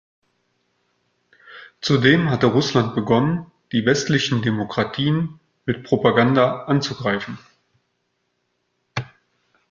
Zudem hatte Russland begonnen, die westlichen Demokratien mit Propaganda anzugreifen.